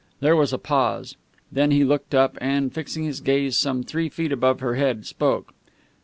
There was a pause. Then he looked up, and, fixing his gaze some three feet above her head, spoke.